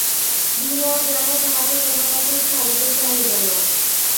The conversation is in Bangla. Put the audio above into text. বিনয় যেন তাহাকে কোনোমতেই ছাড়িতে চাহিল না।